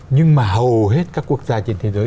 nhưng mà hầu hết các quốc gia trên thế giới